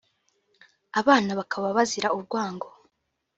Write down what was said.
abana bakaba bazira urwango